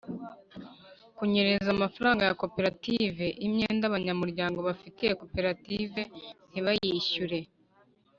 kunyereza amafaranga ya koperative, imyenda abanyamuryango bafitiye koperative ntibayishyure.